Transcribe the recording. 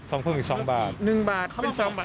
ทองเพิ่มอีก๒บาท๑บาทเป็น๒บาท